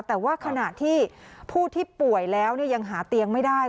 แต่ว่าขณะที่ผู้ที่ป่วยแล้วยังหาเตียงไม่ได้